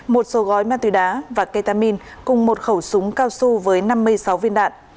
một số gói ma túy đá và ketamin cùng một khẩu súng cao su với năm mươi sáu viên đạn